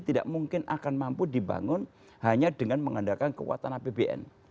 tidak mungkin akan mampu dibangun hanya dengan mengandalkan kekuatan apbn